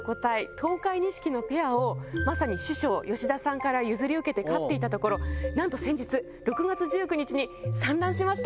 東海錦のペアをまさに師匠吉田さんから譲り受けて飼っていたところなんと先日６月１９日に産卵しました。